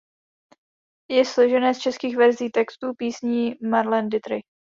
Je složené z českých verzí textů písní Marlene Dietrich.